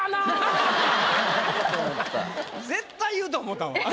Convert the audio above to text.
絶対言うと思ったもん。